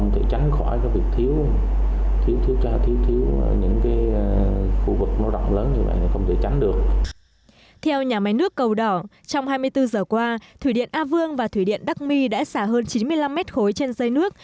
theo nhà máy nước cầu đỏ trong hai mươi bốn giờ qua thủy điện a vương và thủy điện đắc my đã xả hơn chín mươi năm mét khối trên dây nước